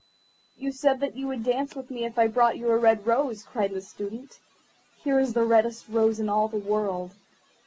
"You said that you would dance with me if I brought you a red rose," cried the Student. "Here is the reddest rose in all the world.